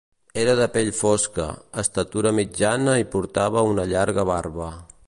Era de pell fosca, estatura mitjana i portava una llarga barba.